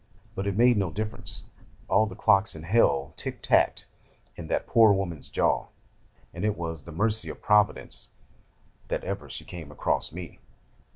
But it made no difference: all the clocks in hell tick tacked in that poor woman's jaw, and it was the mercy of Providence that ever she came across me.